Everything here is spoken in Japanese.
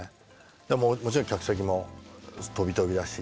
もちろん客席もとびとびだし